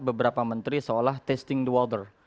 beberapa menteri seolah testing the walter